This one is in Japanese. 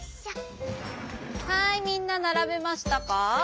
はいみんなならべましたか？